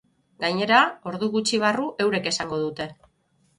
Gainera, ordu gutxi barru eurek esango dute.